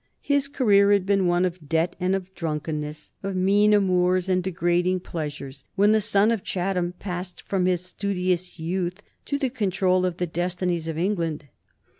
His career had been one of debt and drunkenness, of mean amours and degrading pleasures, when the son of Chatham passed from his studious youth to the control of the destinies of England.